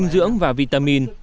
sinh dưỡng và vitamin